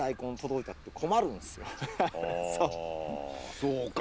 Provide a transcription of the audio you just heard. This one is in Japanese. そうか。